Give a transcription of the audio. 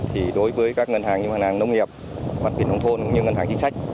thì đối với các ngân hàng như ngân hàng nông nghiệp văn viện nông thôn như ngân hàng chính sách